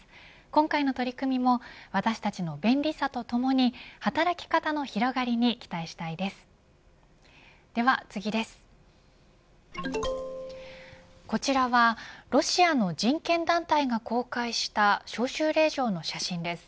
今回の取り組みも私たちの便利さとともに働き方の広がりに期待したいです。